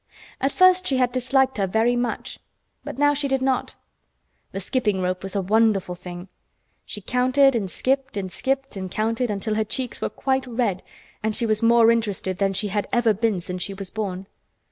At first she had disliked her very much, but now she did not. The skipping rope was a wonderful thing. She counted and skipped, and skipped and counted, until her cheeks were quite red, and she was more interested than she had ever been since she was born.